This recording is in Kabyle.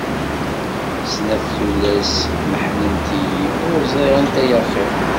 Snat tullas meḥḥnent-iyi, ur ẓriɣ anta ay axir.